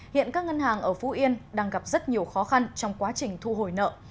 hiện các ngân hàng ở phú yên đang gặp rất nhiều khó khăn trong quá trình thu hồi nợ